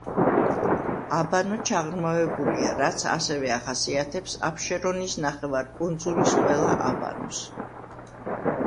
აბანო ჩაღრმავებულია, რაც ასევე ახასიათებს აბშერონის ნახევარკუნძულის ყველა აბანოს.